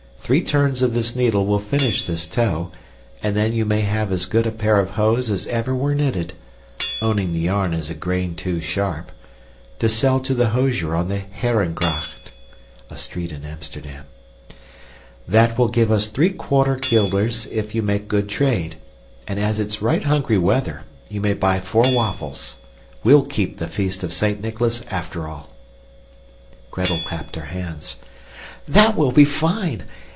Three turns of this needle will finish this toe, and then you may have as good a pair of hose as ever were knitted (owning the yarn is a grain too sharp) to sell to the hosier on the Harengracht. *{A street in Amsterdam.} That will give us three quarter guilders if you make good trade; and as it's right hungry weather, you may buy four waffles. We'll keep the Feast of Saint Nicholas after all." Gretel clapped her hands. "That will be fine!